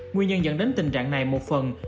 nguyên nhân dẫn đến tình trạng này một phần